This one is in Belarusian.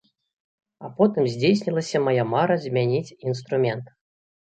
А потым здзейснілася мая мара змяніць інструмент.